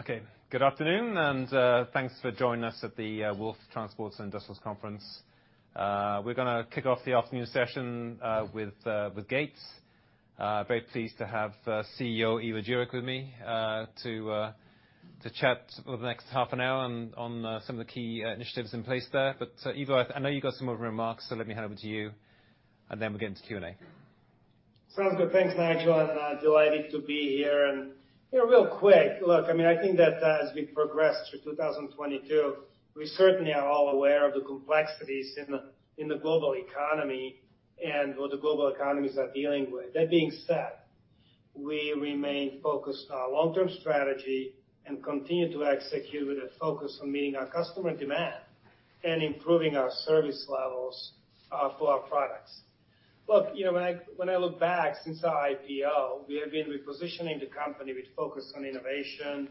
Okay. Good afternoon, and thanks for joining us at the Wolf Transport Industrial Conference. We're going to kick off the afternoon session with Gates. Very pleased to have CEO Ivo Jurek with me to chat for the next half an hour on some of the key initiatives in place there. Ivo, I know you've got some more remarks, so let me hand over to you, and then we'll get into Q&A. Sounds good. Thanks, Nigel. I'm delighted to be here. And real quick, look, I mean, I think that as we progress through 2022, we certainly are all aware of the complexities in the global economy and what the global economies are dealing with. That being said, we remain focused on our long-term strategy and continue to execute with a focus on meeting our customer demand and improving our service levels for our products. Look, when I look back since our IPO, we have been repositioning the company with focus on innovation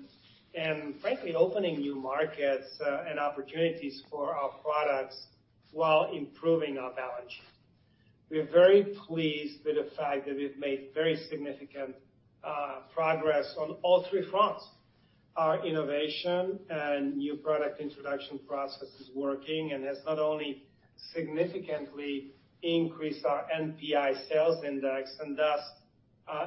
and, frankly, opening new markets and opportunities for our products while improving our balance sheet. We're very pleased with the fact that we've made very significant progress on all three fronts. Our innovation and new product introduction process is working and has not only significantly increased our NPI sales index and thus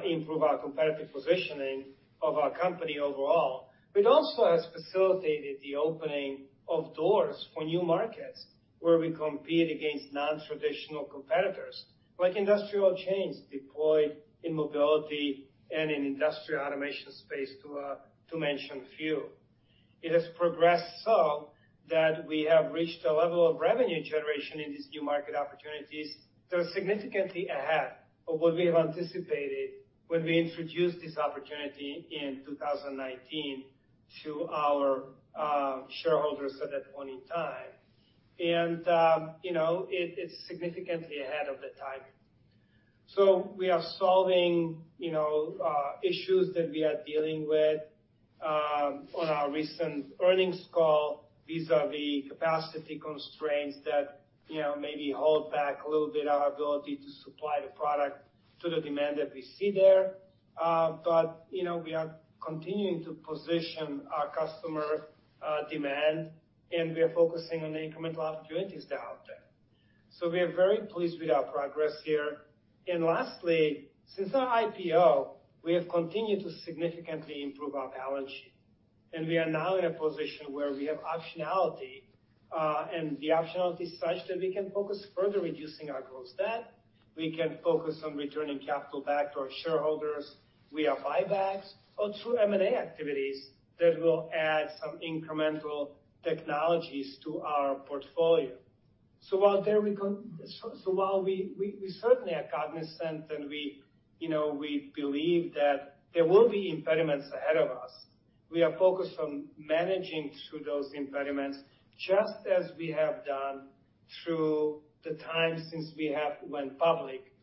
improved our competitive positioning of our company overall, but also has facilitated the opening of doors for new markets where we compete against non-traditional competitors like industrial chains deployed in mobility and in the industrial automation space, to mention a few. It has progressed so that we have reached a level of revenue generation in these new market opportunities that are significantly ahead of what we have anticipated when we introduced this opportunity in 2019 to our shareholders at that point in time. It is significantly ahead of the time. We are solving issues that we are dealing with on our recent earnings call vis-à-vis capacity constraints that maybe hold back a little bit our ability to supply the product to the demand that we see there. We are continuing to position our customer demand, and we are focusing on the incremental opportunities that are out there. We are very pleased with our progress here. Lastly, since our IPO, we have continued to significantly improve our balance sheet. We are now in a position where we have optionality, and the optionality is such that we can focus further on reducing our gross debt. We can focus on returning capital back to our shareholders via buybacks or through M&A activities that will add some incremental technologies to our portfolio. While we certainly are cognizant and we believe that there will be impediments ahead of us, we are focused on managing through those impediments just as we have done through the time since we went public.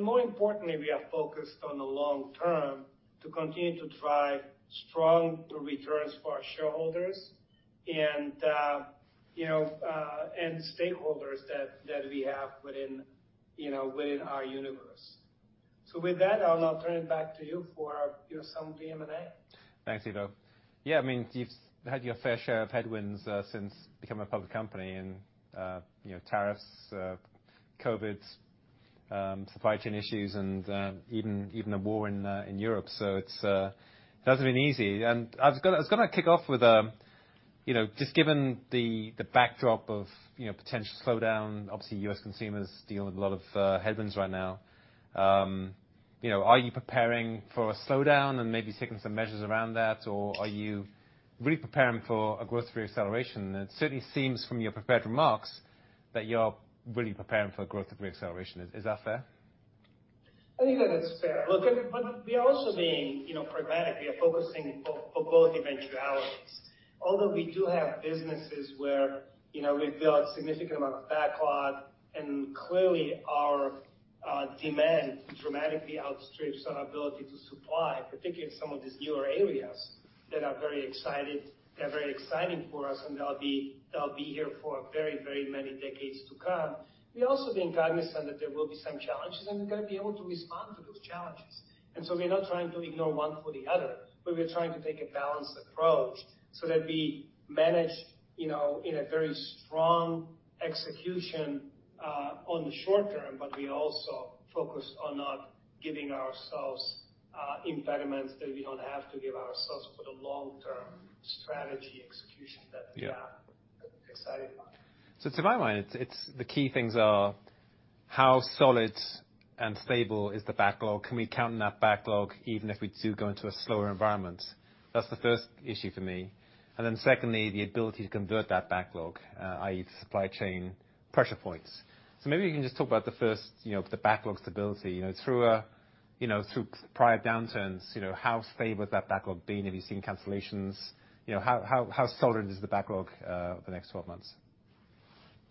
More importantly, we are focused on the long term to continue to drive strong returns for our shareholders and stakeholders that we have within our universe. With that, I'll now turn it back to you for some of the Q&A. Thanks, Ivo. Yeah, I mean, you've had your fair share of headwinds since becoming a public company and tariffs, COVID, supply chain issues, and even the war in Europe. It hasn't been easy. I was going to kick off with just given the backdrop of potential slowdown, obviously, U.S. consumers deal with a lot of headwinds right now. Are you preparing for a slowdown and maybe taking some measures around that, or are you really preparing for a growth reacceleration? It certainly seems from your prepared remarks that you're really preparing for a growth reacceleration. Is that fair? I think that it's fair. Look, we are also being pragmatic. We are focusing for both eventualities. Although we do have businesses where we've built a significant amount of backlog, and clearly our demand dramatically outstrips our ability to supply, particularly in some of these newer areas that are very exciting for us, and they'll be here for very, very many decades to come. We are also being cognizant that there will be some challenges, and we've got to be able to respond to those challenges. We're not trying to ignore one for the other, but we're trying to take a balanced approach so that we manage in a very strong execution on the short term, but we also focus on not giving ourselves impediments that we don't have to give ourselves for the long-term strategy execution that we are excited about. To my mind, the key things are how solid and stable is the backlog? Can we count on that backlog even if we do go into a slower environment? That's the first issue for me. Then secondly, the ability to convert that backlog, i.e., the supply chain pressure points. Maybe you can just talk about the backlog stability. Through prior downturns, how stable has that backlog been? Have you seen cancellations? How solid is the backlog for the next 12 months?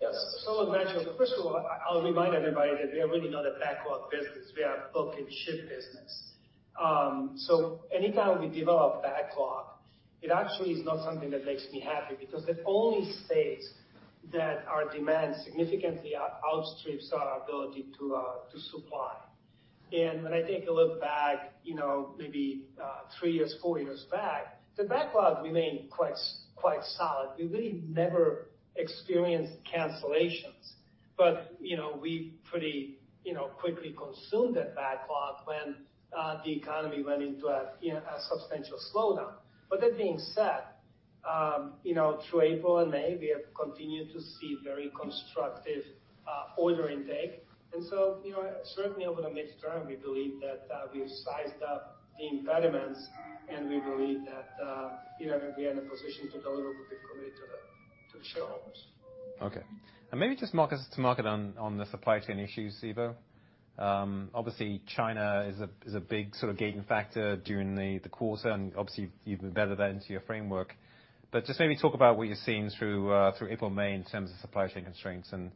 Yes. First of all, I'll remind everybody that we are really not a backlog business. We are a book and ship business. Anytime we develop backlog, it actually is not something that makes me happy because it only states that our demand significantly outstrips our ability to supply. When I take a look back maybe three years, four years back, the backlog remained quite solid. We really never experienced cancellations, but we pretty quickly consumed that backlog when the economy went into a substantial slowdown. That being said, through April and May, we have continued to see very constructive order intake. Certainly over the midterm, we believe that we've sized up the impediments, and we believe that we are in a position to deliver what we've committed to the shareholders. Okay. Maybe just market on the supply chain issues, Ivo. Obviously, China is a big sort of gating factor during the quarter, and obviously, you've embedded that into your framework. Just maybe talk about what you're seeing through April, May in terms of supply chain constraints and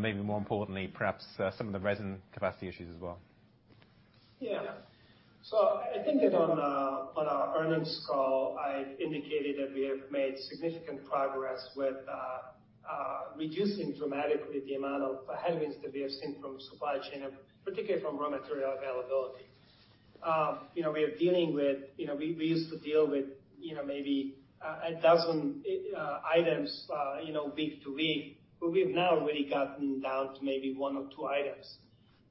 maybe more importantly, perhaps some of the resin capacity issues as well. Yeah. I think that on our earnings call, I indicated that we have made significant progress with reducing dramatically the amount of headwinds that we have seen from supply chain, particularly from raw material availability. We are dealing with, we used to deal with maybe a dozen items week to week, but we've now really gotten down to maybe one or two items.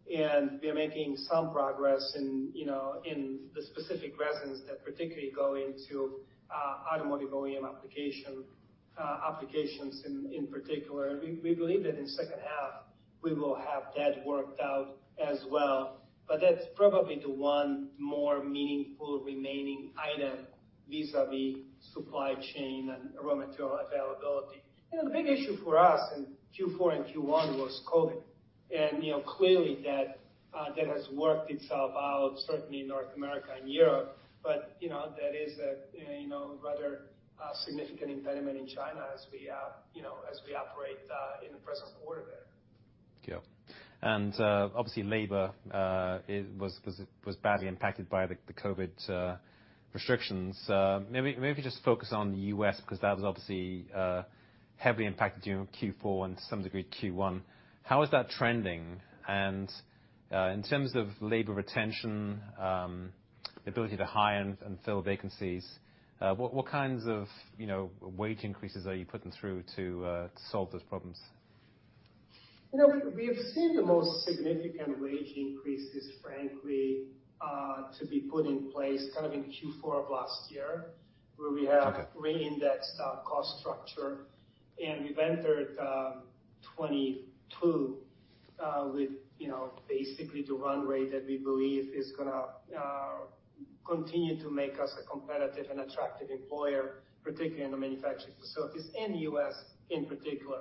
We are making some progress in the specific resins that particularly go into automotive OEM applications in particular. We believe that in the second half, we will have that worked out as well. That's probably the one more meaningful remaining item vis-à-vis supply chain and raw material availability. The big issue for us in Q4 and Q1 was COVID. Clearly, that has worked itself out, certainly in North America and Europe, but that is a rather significant impediment in China as we operate in the present quarter there. Yeah. Obviously, labor was badly impacted by the COVID restrictions. Maybe just focus on the U.S. because that was obviously heavily impacted during Q4 and to some degree Q1. How is that trending? In terms of labor retention, the ability to hire and fill vacancies, what kinds of wage increases are you putting through to solve those problems? We have seen the most significant wage increases, frankly, to be put in place kind of in Q4 of last year where we have re-indexed our cost structure. We have entered 2022 with basically the run rate that we believe is going to continue to make us a competitive and attractive employer, particularly in the manufacturing facilities and U.S. in particular.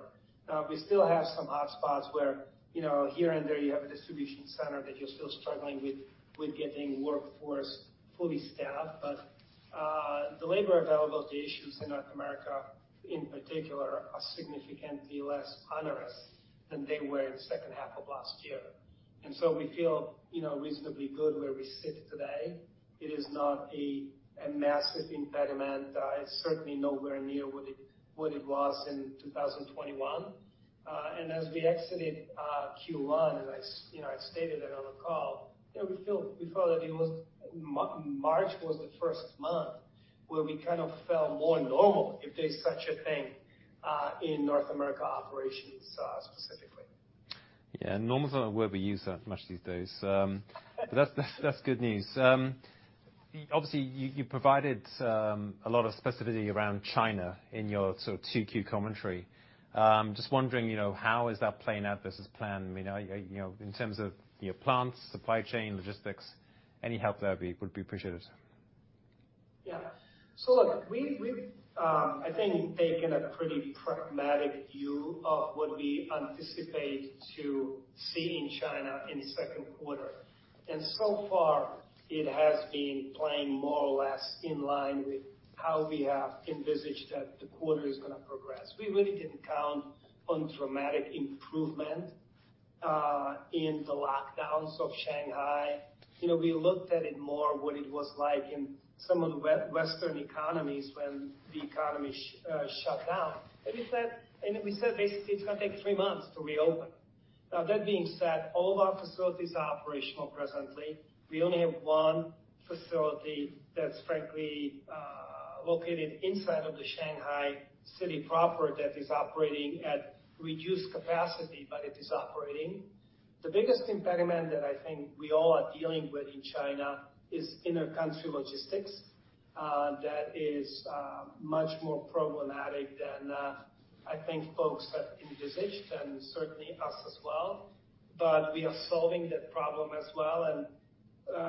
We still have some hotspots where here and there you have a distribution center that you're still struggling with getting workforce fully staffed, but the labor availability issues in North America in particular are significantly less onerous than they were in the second half of last year. We feel reasonably good where we sit today. It is not a massive impediment. It is certainly nowhere near what it was in 2021. As we exited Q1, as I stated on the call, we felt that March was the first month where we kind of felt more normal, if there's such a thing, in North America operations specifically. Yeah. Normal is not a word we use that much these days. That is good news. Obviously, you provided a lot of specificity around China in your sort of 2Q commentary. Just wondering, how is that playing out versus plan? I mean, in terms of your plants, supply chain, logistics, any help there would be appreciated. Yeah. Look, we've, I think, taken a pretty pragmatic view of what we anticipate to see in China in the second quarter. So far, it has been playing more or less in line with how we have envisaged that the quarter is going to progress. We really did not count on dramatic improvement in the lockdowns of Shanghai. We looked at it more like what it was like in some of the Western economies when the economy shut down. We said basically it is going to take three months to reopen. That being said, all of our facilities are operational presently. We only have one facility that is, frankly, located inside of the Shanghai city proper that is operating at reduced capacity, but it is operating. The biggest impediment that I think we all are dealing with in China is inter-country logistics. That is much more problematic than I think folks have envisaged and certainly us as well. We are solving that problem as well.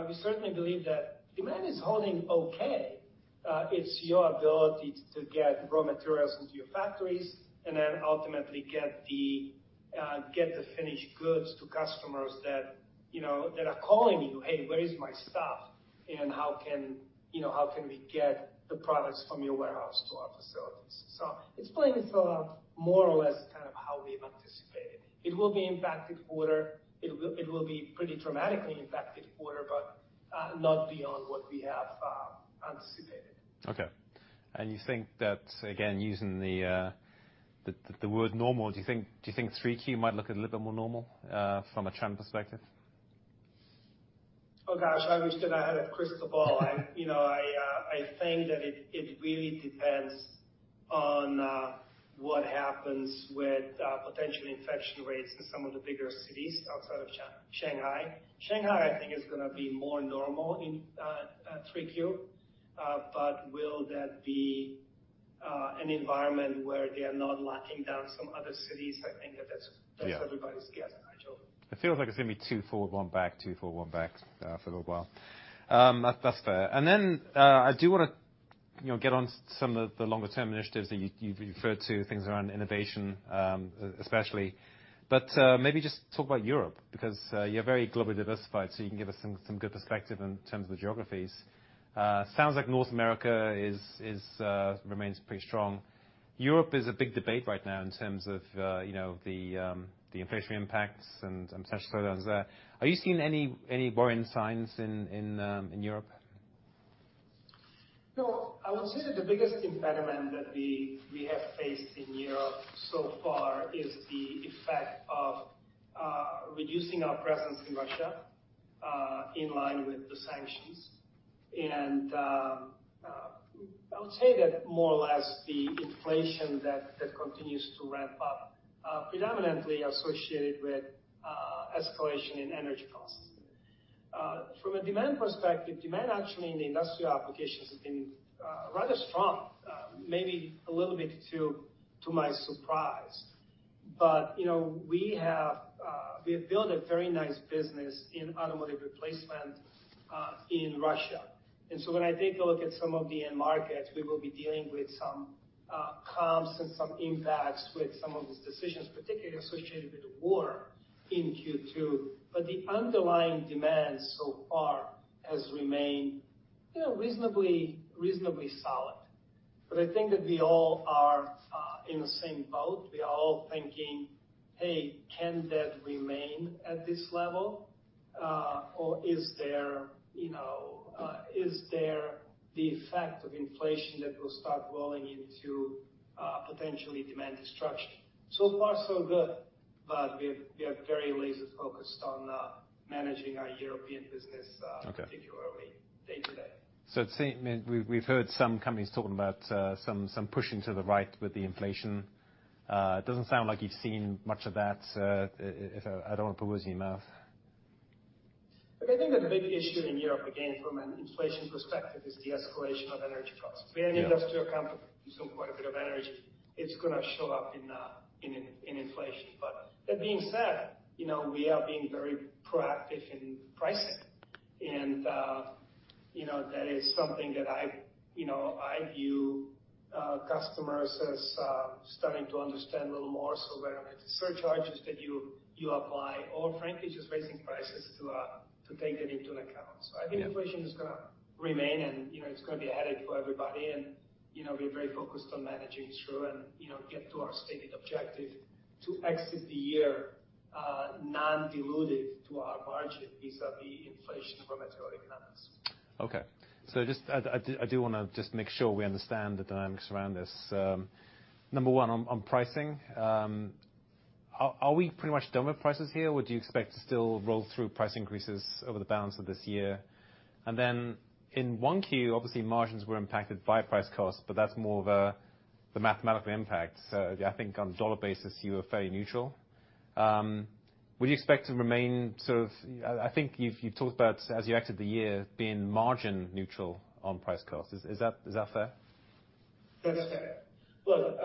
We certainly believe that demand is holding okay. It's your ability to get raw materials into your factories and then ultimately get the finished goods to customers that are calling you, "Hey, where is my stuff? And how can we get the products from your warehouse to our facilities?" It's playing itself out more or less kind of how we've anticipated. It will be impacted quarter. It will be pretty dramatically impacted quarter, but not beyond what we have anticipated. Okay. You think that, again, using the word normal, do you think 3Q might look a little bit more normal from a China perspective? Oh, gosh, I wish that I had a crystal ball. I think that it really depends on what happens with potential infection rates in some of the bigger cities outside of Shanghai. Shanghai, I think, is going to be more normal in 3Q. Will that be an environment where they are not locking down some other cities? I think that that's everybody's guess, Nigel. It feels like it's going to be two forward, one back, two forward, one back for a little while. That's fair. I do want to get on to some of the longer-term initiatives that you've referred to, things around innovation especially. Maybe just talk about Europe because you're very globally diversified, so you can give us some good perspective in terms of the geographies. Sounds like North America remains pretty strong. Europe is a big debate right now in terms of the inflationary impacts and potential slowdowns there. Are you seeing any worrying signs in Europe? No. I would say that the biggest impediment that we have faced in Europe so far is the effect of reducing our presence in Russia in line with the sanctions. I would say that more or less the inflation that continues to ramp up is predominantly associated with escalation in energy costs. From a demand perspective, demand actually in the industrial applications has been rather strong, maybe a little bit to my surprise. We have built a very nice business in automotive replacement in Russia. When I take a look at some of the end markets, we will be dealing with some comps and some impacts with some of these decisions, particularly associated with the war in Q2. The underlying demand so far has remained reasonably solid. I think that we all are in the same boat. We are all thinking, "Hey, can that remain at this level? Or is there the effect of inflation that will start rolling into potentially demand destruction?" So far, so good. We are very laser-focused on managing our European business particularly day to day. We've heard some companies talking about some pushing to the right with the inflation. It doesn't sound like you've seen much of that, if I don't want to put words in your mouth. Look, I think that the big issue in Europe, again, from an inflation perspective, is the escalation of energy costs. We are an industrial company. We consume quite a bit of energy. It is going to show up in inflation. That being said, we are being very proactive in pricing. That is something that I view customers as starting to understand a little more as to whether it is surcharges that you apply or, frankly, just raising prices to take that into account. I think inflation is going to remain, and it is going to be a headache for everybody. We are very focused on managing through and get to our stated objective to exit the year non-dilutive to our margin vis-à-vis inflation and raw material economics. Okay. I do want to just make sure we understand the dynamics around this. Number one, on pricing, are we pretty much done with prices here? Would you expect to still roll through price increases over the balance of this year? In 1Q, obviously, margins were impacted by price costs, but that's more of the mathematical impact. I think on a dollar basis, you are fairly neutral. Would you expect to remain sort of, I think you've talked about, as you exited the year, being margin neutral on price costs. Is that fair? That's fair. Look,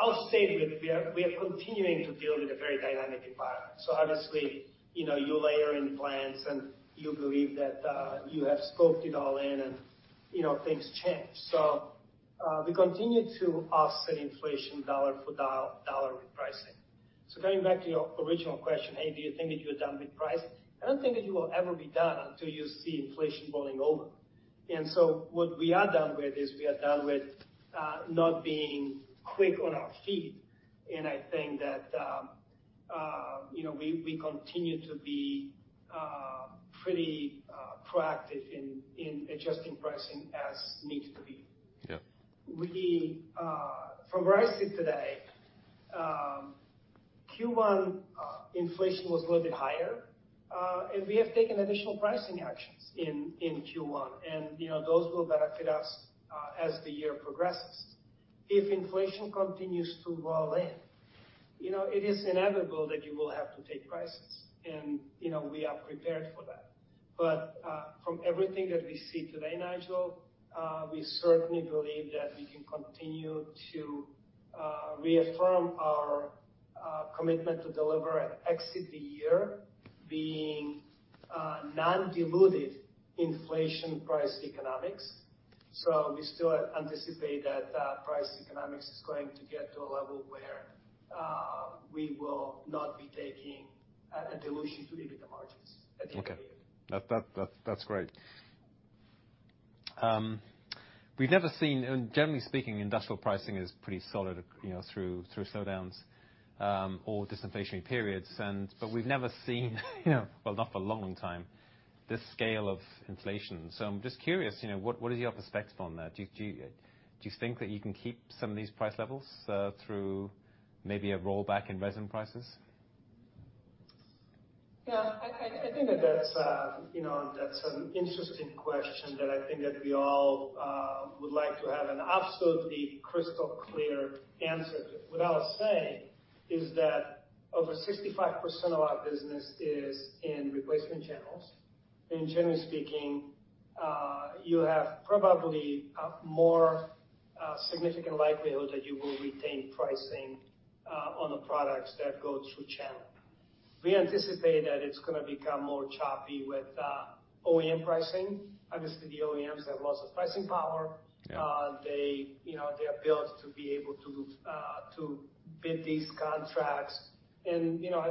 I'll state it. We are continuing to deal with a very dynamic environment. Obviously, you layer in plans, and you believe that you have scoped it all in, and things change. We continue to offset inflation dollar for dollar with pricing. Coming back to your original question, "Hey, do you think that you're done with price?" I don't think that you will ever be done until you see inflation rolling over. What we are done with is we are done with not being quick on our feet. I think that we continue to be pretty proactive in adjusting pricing as needed to be. From where I sit today, Q1 inflation was a little bit higher, and we have taken additional pricing actions in Q1. Those will benefit us as the year progresses. If inflation continues to roll in, it is inevitable that you will have to take prices. We are prepared for that. From everything that we see today, Nigel, we certainly believe that we can continue to reaffirm our commitment to deliver and exit the year being non-dilutive inflation price economics. We still anticipate that price economics is going to get to a level where we will not be taking a dilution to EBITDA margins at the end of the year. Okay. That's great. We've never seen, generally speaking, industrial pricing is pretty solid through slowdowns or disinflationary periods. We've never seen, well, not for a long, long time, this scale of inflation. I'm just curious, what are your perspectives on that? Do you think that you can keep some of these price levels through maybe a rollback in resin prices? Yeah. I think that that's an interesting question that I think that we all would like to have an absolutely crystal clear answer to. What I'll say is that over 65% of our business is in replacement channels. Generally speaking, you have probably a more significant likelihood that you will retain pricing on the products that go through channel. We anticipate that it's going to become more choppy with OEM pricing. Obviously, the OEMs have lots of pricing power. They are built to be able to bid these contracts. I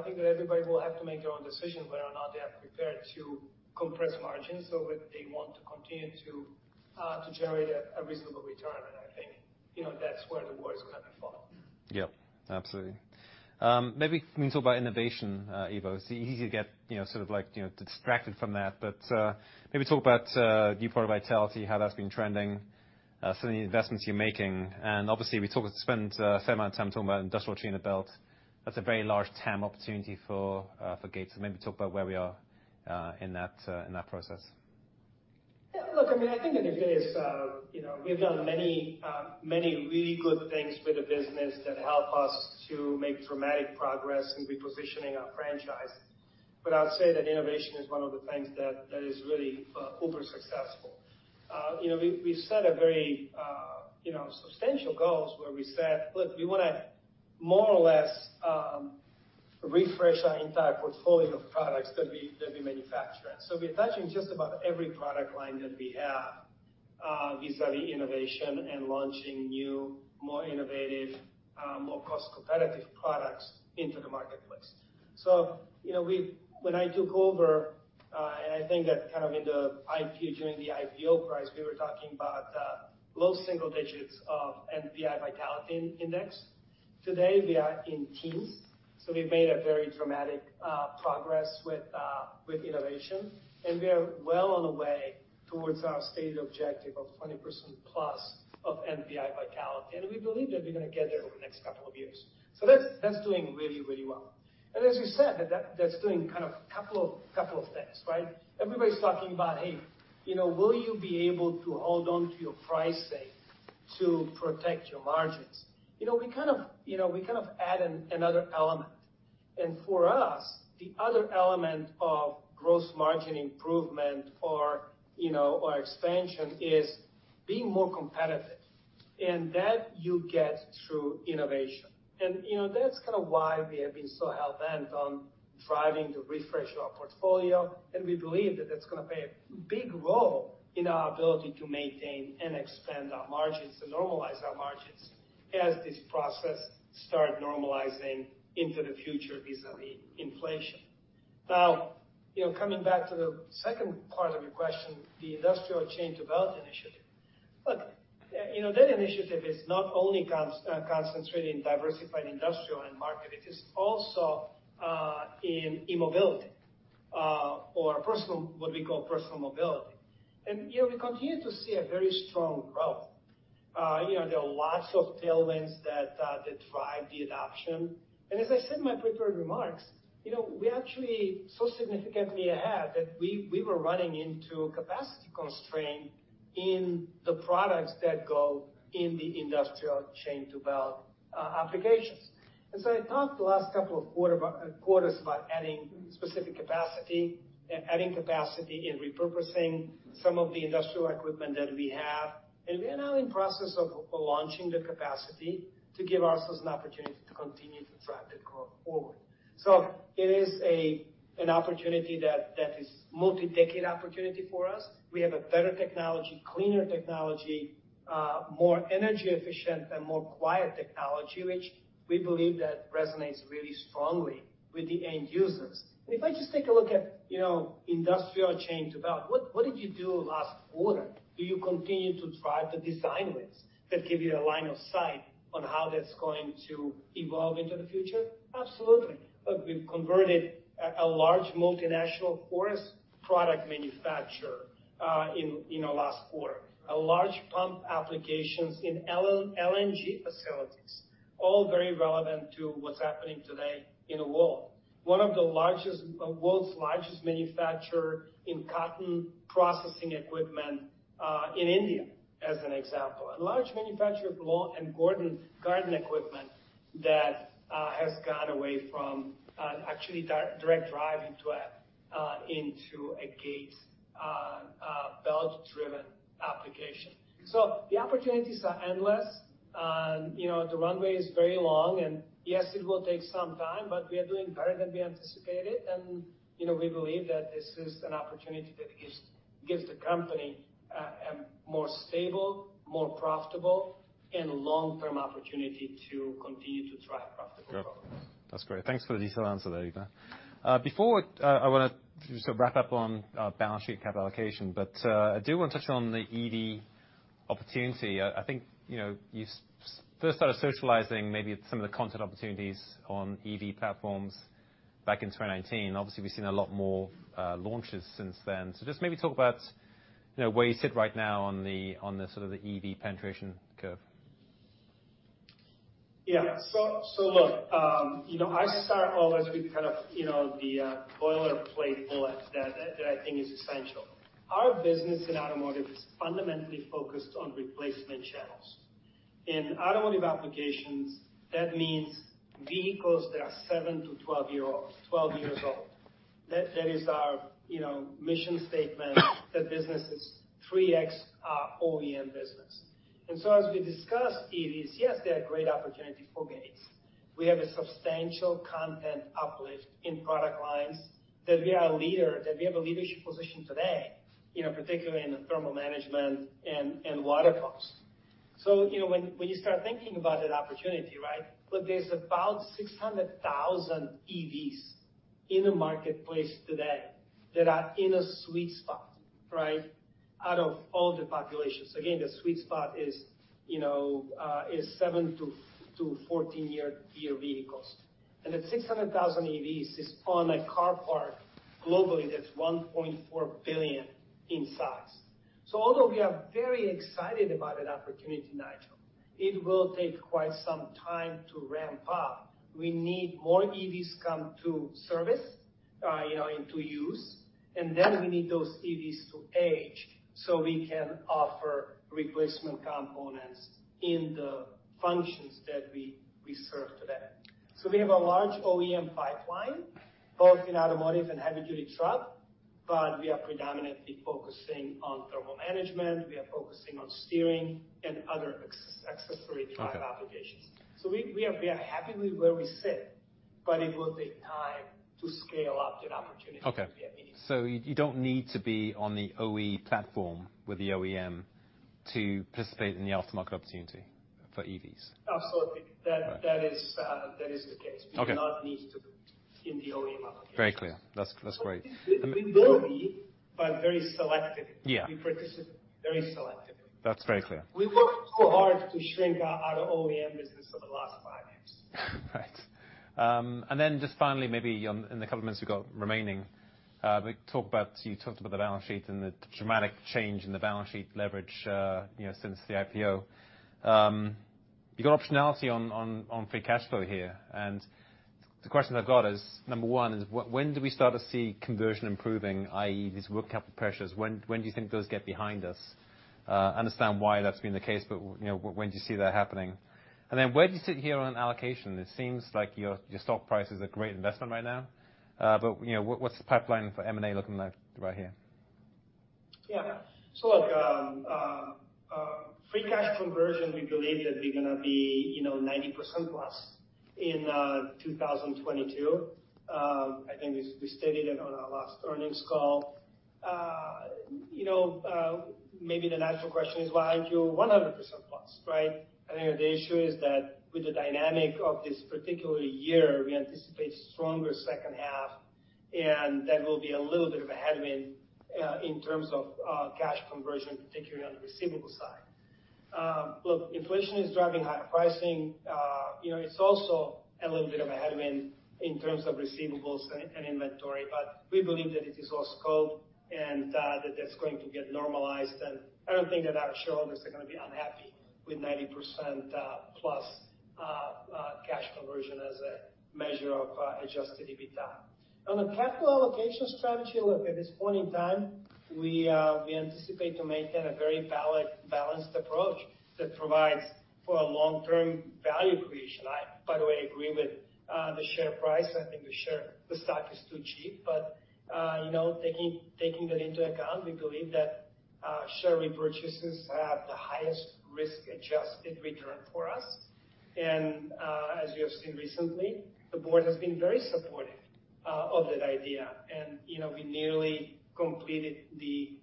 think that everybody will have to make their own decision whether or not they are prepared to compress margins or whether they want to continue to generate a reasonable return. I think that's where the war is going to be fought. Yep. Absolutely. Maybe we can talk about innovation, Ivo. It's easy to get sort of distracted from that. Maybe talk about new product vitality, how that's been trending, some of the investments you're making. Obviously, we spent a fair amount of time talking about industrial chain of belt. That's a very large TAM opportunity for Gates. Maybe talk about where we are in that process. Yeah. Look, I mean, I think in a case, we've done many really good things with the business that help us to make dramatic progress in repositioning our franchise. I'll say that innovation is one of the things that is really uber successful. We set very substantial goals where we said, "Look, we want to more or less refresh our entire portfolio of products that we manufacture." We are touching just about every product line that we have vis-à-vis innovation and launching new, more innovative, more cost-competitive products into the marketplace. When I took over, and I think that kind of during the IPO price, we were talking about low single digits of NPI Vitality Index. Today, we are in teens. We have made a very dramatic progress with innovation. We are well on the way towards our stated objective of 20%+ of NPI Vitality. We believe that we're going to get there over the next couple of years. That's doing really, really well. As you said, that's doing kind of a couple of things, right? Everybody's talking about, "Hey, will you be able to hold on to your pricing to protect your margins?" We kind of add another element. For us, the other element of gross margin improvement or expansion is being more competitive. That you get through innovation. That's kind of why we have been so hell-bent on driving the refresh of our portfolio. We believe that that's going to play a big role in our ability to maintain and expand our margins and normalize our margins as this process starts normalizing into the future vis-à-vis inflation. Now, coming back to the second part of your question, the industrial chain to belt initiative. Look, that initiative is not only concentrated in diversified industrial and market. It is also in e-mobility or what we call personal mobility. We continue to see a very strong growth. There are lots of tailwinds that drive the adoption. As I said in my prepared remarks, we're actually so significantly ahead that we were running into capacity constraint in the products that go in the industrial chain to belt applications. I talked the last couple of quarters about adding specific capacity, adding capacity and repurposing some of the industrial equipment that we have. We are now in the process of launching the capacity to give ourselves an opportunity to continue to drive the growth forward. It is an opportunity that is a multi-decade opportunity for us. We have a better technology, cleaner technology, more energy-efficient, and more quiet technology, which we believe that resonates really strongly with the end users. If I just take a look at industrial chain to belt, what did you do last quarter? Do you continue to drive the design wins that give you a line of sight on how that's going to evolve into the future? Absolutely. Look, we've converted a large multinational forest product manufacturer in the last quarter, a large pump applications in LNG facilities, all very relevant to what's happening today in the world. One of the world's largest manufacturers in cotton processing equipment in India, as an example, and a large manufacturer of lawn and garden equipment that has gone away from actually direct driving into a Gates belt-driven application. The opportunities are endless. The runway is very long. Yes, it will take some time, but we are doing better than we anticipated. We believe that this is an opportunity that gives the company a more stable, more profitable, and long-term opportunity to continue to drive profitable products. Good. That's great. Thanks for the detailed answer there, Ivo. Before I want to sort of wrap up on balance sheet and capital allocation, I do want to touch on the EV opportunity. I think you first started socializing maybe some of the content opportunities on EV platforms back in 2019. Obviously, we've seen a lot more launches since then. Just maybe talk about where you sit right now on the sort of the EV penetration curve. Yeah. Look, I start always with kind of the boilerplate bullet that I think is essential. Our business in automotive is fundamentally focused on replacement channels. In automotive applications, that means vehicles that are 7-12 years old. That is our mission statement. That business is 3x our OEM business. As we discussed EVs, yes, they are a great opportunity for Gates. We have a substantial content uplift in product lines that we are a leader, that we have a leadership position today, particularly in the thermal management and water costs. When you start thinking about that opportunity, right, look, there's about 600,000 EVs in the marketplace today that are in a sweet spot, right, out of all the populations. Again, the sweet spot is 7-14-year vehicles. That 600,000 EVs is on a car park globally that's 1.4 billion in size. Although we are very excited about that opportunity, Nigel, it will take quite some time to ramp up. We need more EVs to come to service and to use. We need those EVs to age so we can offer replacement components in the functions that we serve today. We have a large OEM pipeline, both in automotive and heavy-duty truck, but we are predominantly focusing on thermal management. We are focusing on steering and other accessory drive applications. We are happy with where we sit, but it will take time to scale up that opportunity that we have needed. Okay. So you don't need to be on the OE platform with the OEM to participate in the aftermarket opportunity for EVs? Absolutely. That is the case. We do not need to be in the OEM application. Very clear. That's great. We will be, but very selectively. We participate very selectively. That's very clear. We worked so hard to shrink our OEM business over the last five years. Right. Finally, maybe in the couple of minutes we've got remaining, you talked about the balance sheet and the dramatic change in the balance sheet leverage since the IPO. You've got optionality on free cash flow here. The question I've got is, number one, when do we start to see conversion improving, i.e., these working capital pressures? When do you think those get behind us? I understand why that's been the case, but when do you see that happening? Where do you sit here on allocation? It seems like your stock price is a great investment right now. What's the pipeline for M&A looking like right here? Yeah. Look, free cash conversion, we believe that we're going to be 90%+ in 2022. I think we stated it on our last earnings call. Maybe the natural question is, "Why aren't you 100%+?" Right? I think the issue is that with the dynamic of this particular year, we anticipate a stronger second half, and that will be a little bit of a headwind in terms of cash conversion, particularly on the receivable side. Look, inflation is driving higher pricing. It's also a little bit of a headwind in terms of receivables and inventory. We believe that it is all scoped and that that's going to get normalized. I don't think that our shareholders are going to be unhappy with 90%+ cash conversion as a measure of adjusted EBITDA. On the capital allocation strategy, look, at this point in time, we anticipate to maintain a very balanced approach that provides for long-term value creation. I, by the way, agree with the share price. I think the stock is too cheap. Taking that into account, we believe that share repurchases have the highest risk-adjusted return for us. As you have seen recently, the board has been very supportive of that idea. We nearly completed the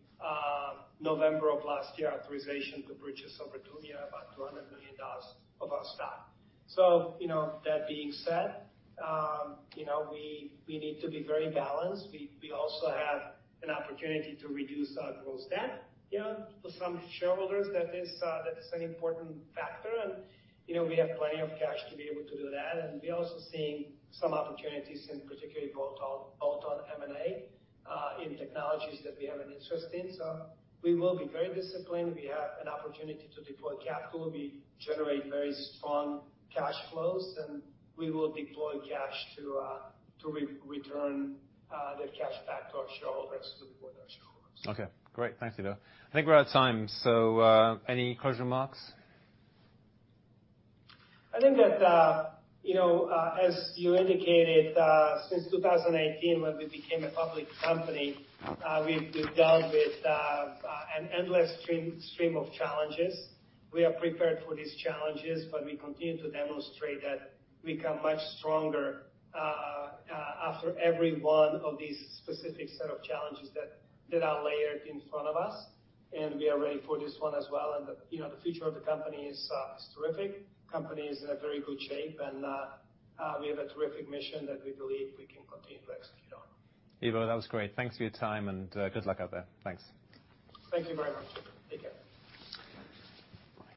November of last year authorization to purchase over two years, about $200 million of our stock. That being said, we need to be very balanced. We also have an opportunity to reduce our gross debt for some shareholders. That is an important factor. We have plenty of cash to be able to do that. We are also seeing some opportunities, and particularly both on M&A in technologies that we have an interest in. We will be very disciplined. We have an opportunity to deploy capital. We generate very strong cash flows. We will deploy cash to return that cash back to our shareholders, to the board of our shareholders. Okay. Great. Thanks, Ivo. I think we're out of time. Any closing remarks? I think that as you indicated, since 2018, when we became a public company, we've dealt with an endless stream of challenges. We are prepared for these challenges, but we continue to demonstrate that we become much stronger after every one of these specific set of challenges that are layered in front of us. We are ready for this one as well. The future of the company is terrific. The company is in very good shape. We have a terrific mission that we believe we can continue to execute on. Ivo, that was great. Thanks for your time. Good luck out there. Thanks. Thank you very much. Take care.